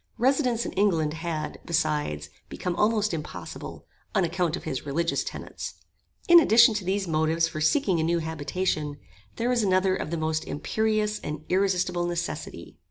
Residence in England had, besides, become almost impossible, on account of his religious tenets. In addition to these motives for seeking a new habitation, there was another of the most imperious and irresistable necessity.